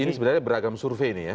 ini sebenarnya beragam survei ini ya